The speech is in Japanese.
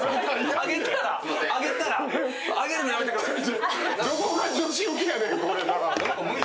上げたら上げるのやめてください。